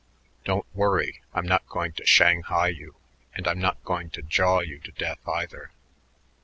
"Don't worry; I'm not going to shanghai you, and I'm not going to jaw you to death, either."